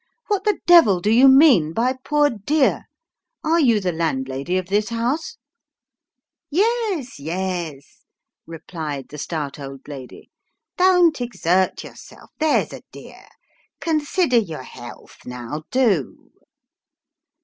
" What the devil do you mean by poor dear ? Are you the landlady of this house ?"" Yes, yes," replied the stout old lady, " don't exert yourself, there's a dear ! Consider your health, now ; do."